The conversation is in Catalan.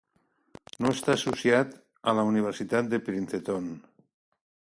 No està associat a la Universitat de Princeton.